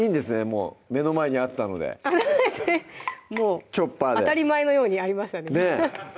もう目の前にあったので「チョッパー」で当たり前のようにありましたね